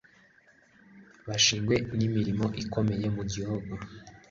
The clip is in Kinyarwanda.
bashingwe n'imirimo ikomeye mu gihugu